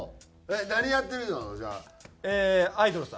何やってる人なの？